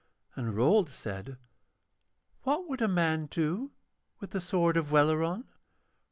And Rold said: 'What should a man do with the sword of Welleran?'